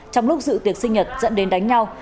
trong lúc dự tiệc sinh nhật dẫn đến đánh nhau